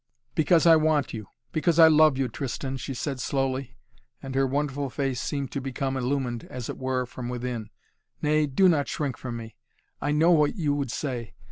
"Because I want you because I love you, Tristan," she said slowly, and her wonderful face seemed to become illumined as it were, from within. "Nay do not shrink from me! I know what you would say!